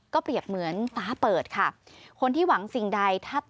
ก็เปรียบเหมือนฟ้าเปิดค่ะ